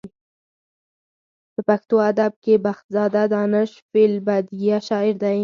په پښتو ادب کې بخزاده دانش فې البدیه شاعر دی.